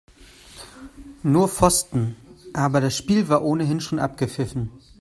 Nur Pfosten, aber das Spiel war ohnehin schon abgepfiffen.